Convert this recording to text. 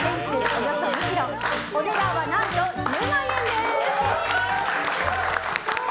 およそ２ｋｇお値段は何と１０万円です！